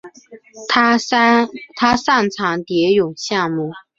他擅长蝶泳项目。